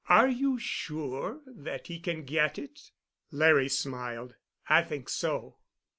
Are you sure that he can get it?" Larry smiled. "I think so."